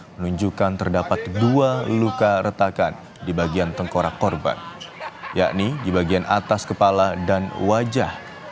menunjukkan terdapat dua luka retakan di bagian tengkorak korban yakni di bagian atas kepala dan wajah